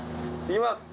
いきます。